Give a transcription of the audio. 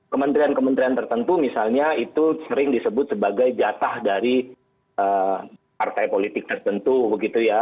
kementerian kementerian tertentu misalnya itu sering disebut sebagai jatah dari partai politik tertentu begitu ya